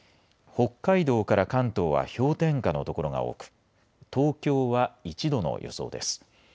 北海道から関東は氷点下の所が多く東京は１度の予想です。